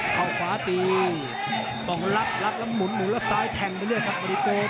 เข้าขวาตีต้องลับลับแล้วหมุนหมุนแล้วซ้ายแทงไปเรื่อยครับบริโกฟ